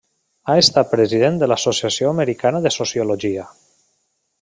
Ha estat president de l'Associació Americana de Sociologia.